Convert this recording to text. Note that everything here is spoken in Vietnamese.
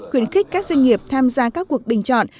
khuyến khích các doanh nghiệp tham gia các cuộc bình chọn